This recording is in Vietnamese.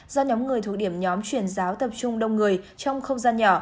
do nhóm người thuộc điểm nhóm chuyển giáo tập trung đông người trong không gian nhỏ